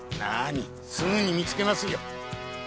すぐみつけますよ。